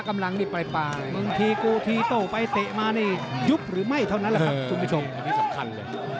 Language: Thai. มึงทีกูทีโตไปเตะมานี่ยุบหรือไม่เท่านั้นล่ะครับทุกผู้ชม